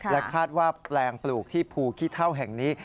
และคาดว่าแปลงปลูกที่ภูขี้เท่าแห่งนี้